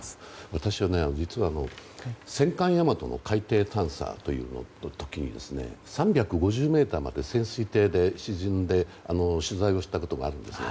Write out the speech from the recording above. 私は実は、戦艦「大和」の海底探査の時に３５０ｍまで潜水艇で沈んで取材をしたことがあるんですよ。